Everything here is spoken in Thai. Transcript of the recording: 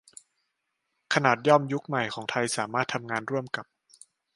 ขนาดย่อมยุคใหม่ของไทยสามารถทำงานร่วมกับ